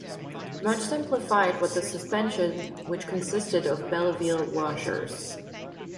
Much simplified was the suspension which consisted of Belleville washers.